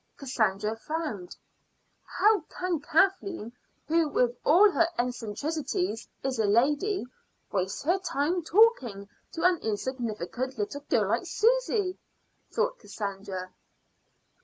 Cassandra frowned. "How can Kathleen, who with all her eccentricities is a lady, waste her time talking to an insignificant little girl like Susy?" thought Cassandra.